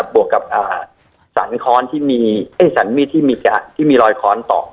บวกกับสันมีดที่มีรอยคอร์สต่อ